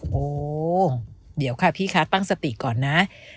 โหเดี๋ยวค่ะพี่คะตั้งสติก่อนนะ